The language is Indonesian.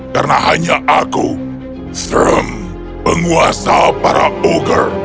karena hanya aku throm penguasa para ogre